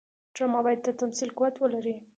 ډرامه باید د تمثیل قوت ولري